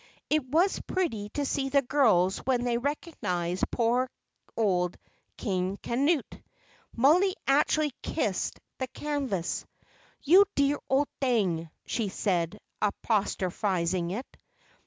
It was pretty to see the girls when they recognised poor old "King Canute." Mollie actually kissed the canvas. "You dear old thing!" she said, apostrophising it.